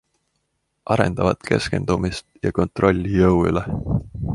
Arendavad keskendumist ja kontrolli jõu üle.